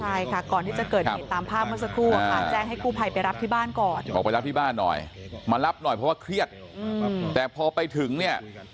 ใช่ค่ะก่อนที่จะเกิดเหตุตามภาพเมื่อสักครู่ค่ะแจ้งให้กู้ภัยไปรับที่บ้านก่อนออกไปรับที่บ้านหน่อยมารับหน่อยเพราะว่าเครียดแต่พอไปถึงเนี่ย